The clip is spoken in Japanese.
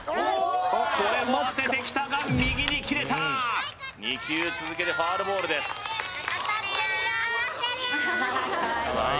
これも当ててきたが右に切れた２球続けてファウルボールです当たってるよさあ